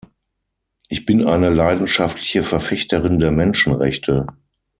Ich bin eine leidenschaftliche Verfechterin der Menschenrechte.